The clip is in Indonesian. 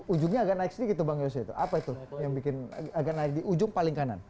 ujungnya agak naik sedikit tuh bang yose itu apa itu yang bikin agak naik di ujung paling kanan